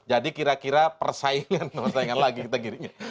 jadi kira kira persaingan lagi kita kirinya